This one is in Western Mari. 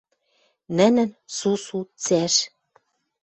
Нӹнӹн — сусу, цӓш.